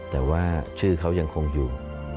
แต่ว่าชื่อเขายังคงอยู่